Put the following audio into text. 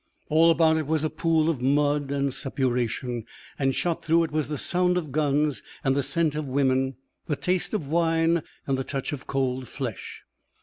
All about it was a pool of mud and suppuration, and shot through it was the sound of guns and the scent of women, the taste of wine and the touch of cold flesh.